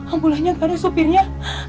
ambulannya gak ada nyupirnya